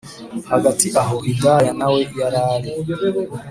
hagati aho hidaya nawe yarari